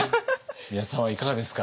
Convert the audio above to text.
宮田さんはいかがですか？